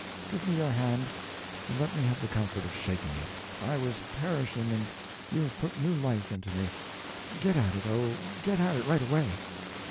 "Give me your hand, and let me have the comfort of shaking it. I was perishing, and you have put new life into me. Get at it, oh, get at it right away."